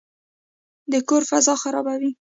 د کور فضا خرابوي.